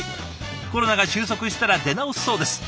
コロナが収束したら出直すそうです。